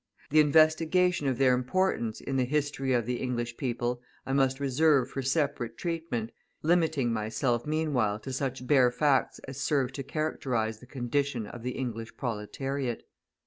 The investigation of their importance in the history of the English people I must reserve for separate treatment, limiting myself meanwhile to such bare facts as serve to characterise the condition of the English proletariat.